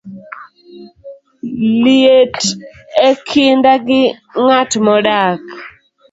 liet e kinda gi ng'at modak